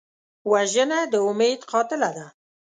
وژنه د امید قاتله ده